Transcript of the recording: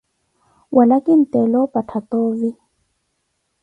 Wala khintela omphattha tovi?